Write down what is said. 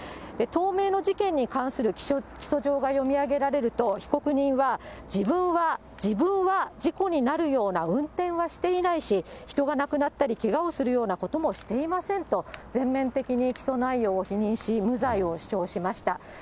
東名の事件に関する起訴状が読み上げられると、被告人は自分は、自分は事故になるような運転はしていないし、人が亡くなったり、けがをするようなこともしていませんと、全面的に起訴内容を否認し、無罪を主張しました。